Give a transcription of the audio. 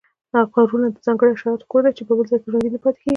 غرونه د ځانګړو حشراتو کور دی چې په بل ځاې کې ژوندي نه پاتیږي